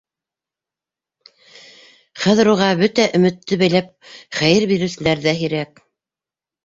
Хәҙер уға бөтә өмөттө бәйләп хәйер биреүселәр ҙә һирәк.